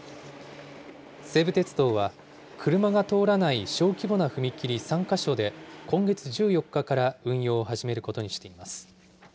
西武鉄道は、車が通らない小規模な踏切３か所で、今月１４日から運用を始めることにしています。